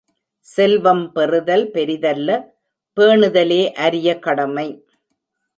செல்வம் பெறுதல் பெரிதல்ல பேனுதலே அரிய கடமை.